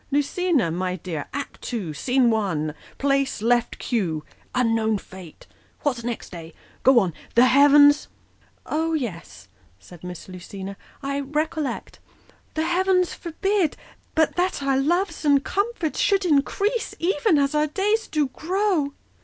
Lucina, my dear, act ii., scene 1 place, left cue ' Unknown fate,' What's next, eh ? Go on ' The heavens ''" Oh yes," said Miss Lucina, " I recollect "' The heavens forbid But that our loves and comforts should increase Even as our days do grow